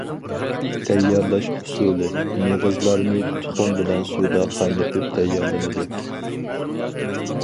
تەييارلاش ئۇسۇلى: مېغىزلارنى تۇخۇم بىلەن سۇدا قاينىتىپ تەييارلىنىدۇ.